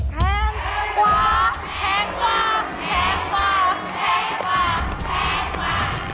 แพงกว่า